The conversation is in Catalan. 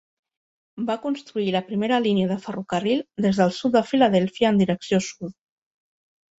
Va construir la primera línia de ferrocarril des del sud de Filadèlfia en direcció sud.